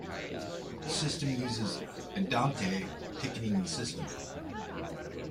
The system uses the "Andante" ticketing system.